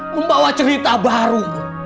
membawa cerita baru